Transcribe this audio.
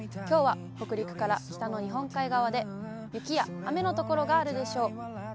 きょうは、北陸から北の日本海側で、雪や雨の所があるでしょう。